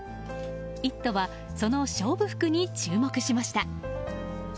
「イット！」はその勝負服に注目しました。